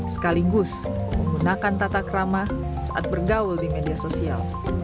sekaligus menggunakan tata kerama saat bergaul di media sosial